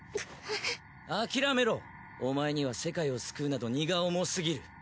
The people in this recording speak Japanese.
諦めろお前には世界を救うなど荷が重すぎる。